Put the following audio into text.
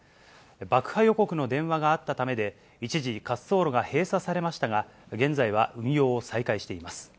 爆破予告の電話があったためで、一時、滑走路が閉鎖されましたが、現在は運用を再開しています。